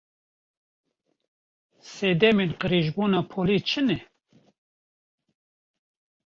Sedemên qirêjbûna polê çi ne?